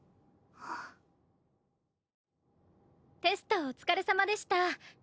テストお疲れさまでした。